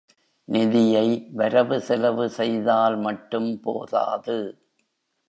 நிதியை, வரவு செலவு செய்தால் மட்டும் போதாது.